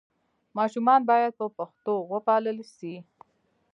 ماشومان باید په پښتو وپالل سي.